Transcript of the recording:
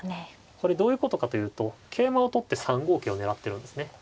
これどういうことかというと桂馬を取って３五桂を狙ってるんですね。